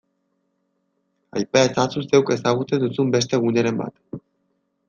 Aipa ezazu zeuk ezagutzen duzun beste guneren bat.